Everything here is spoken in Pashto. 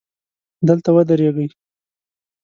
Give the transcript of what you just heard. دلته ودرېږئ